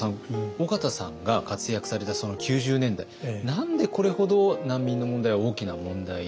緒方さんが活躍された９０年代何でこれほど難民の問題は大きな問題になったんでしょう？